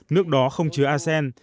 nước đó không chứa arsen